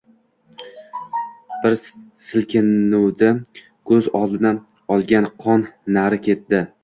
Bir silkinuvdi, ko‘z oldini olgan qon nari ketdi.